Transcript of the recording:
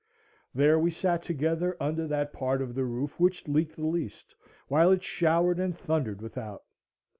There we sat together under that part of the roof which leaked the least, while it showered and thundered without.